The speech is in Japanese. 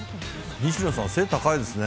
西野さん、背、高いですね。